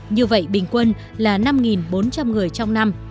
như vậy bình quân là năm bốn trăm linh người trong năm